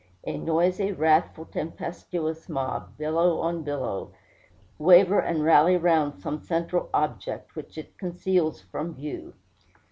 A noisy, wrathful, tempestuous mob, billow on billow, waver and rally round some central object, which it conceals from view.